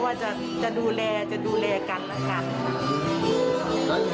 ว่าจะดูแลกันนะคะ